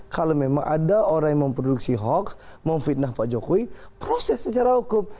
kalau memang ada orang yang memproduksi hoax memfitnah pak jokowi proses secara hukum